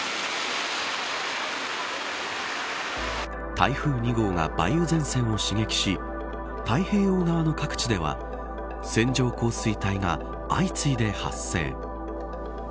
台風２号が梅雨前線を刺激し太平洋側の各地では線状降水帯が相次いで発生。